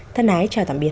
thân ái chào tạm biệt